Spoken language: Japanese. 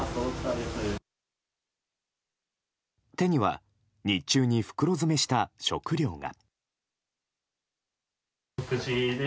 手には日中に袋詰めした食料が。